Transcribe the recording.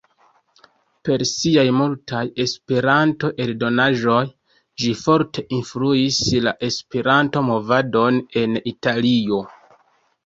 Per siaj multaj Esperanto-eldonaĵoj ĝi forte influis la Esperanto-Movadon en Italio.